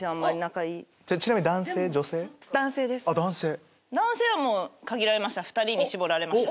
男性はもう限られました。